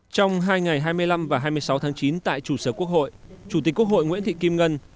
trong hai ngày hai mươi năm và hai mươi sáu tháng chín tại trụ sở quốc hội chủ tịch quốc hội nguyễn thị kim ngân